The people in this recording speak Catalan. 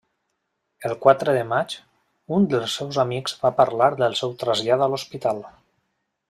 El quatre de maig, un dels seus amics va parlar del seu trasllat a l'hospital.